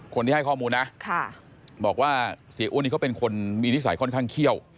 คนที่ให้ข้อมูลนะบอกว่าเสียอ้วนนี้เขาเป็นคนมีนิสัยค่อนข้างเขี้ยว